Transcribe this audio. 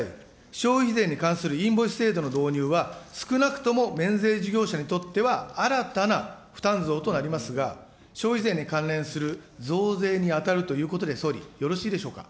消費税に関するインボイス制度の導入は、少なくとも免税事業者にとっては新たな負担増となりますが、消費税に関連する増税に当たるということで総理、よろしいでしょうか。